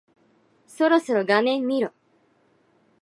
そろそろ画面見ろ。